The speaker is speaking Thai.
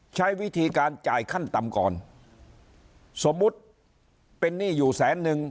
ใช้วิธีการจ่ายขั้นต่ำก่อนสมมุติเป็นหนี้อยู่แสนนึง